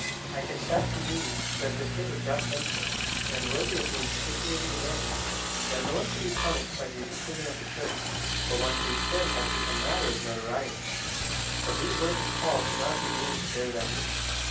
I confess, indeed, that that is a just sentiment,^ and worthy of being particularly noticed — that no one can be punished by the decision of the Church, but one whose sin has become matter of notoriety ; but these words of Paul cannot be made to bear that meaning.